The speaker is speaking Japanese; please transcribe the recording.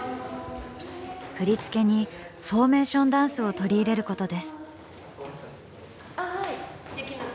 振り付けにフォーメーションダンスを取り入れることです。